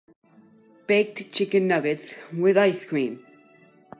Baked chicken nuggets, with ice cream.